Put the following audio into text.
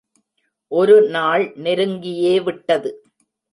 ஒருநாள் நெருங்கியே விட்டது.